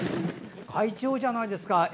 快調じゃないですか。